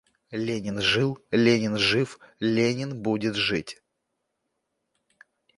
Ленин — жил, Ленин — жив, Ленин — будет жить.